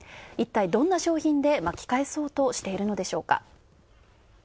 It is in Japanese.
一体どんな商品で巻き返そうとしているのでしょうか。